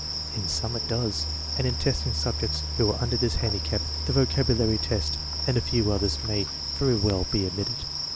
In some it does, and in testing subjects who are under this handicap the vocabulary test and a few others may very well be omitted.